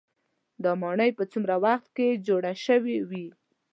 دا ماڼۍ په څومره وخت کې جوړې شوې وي.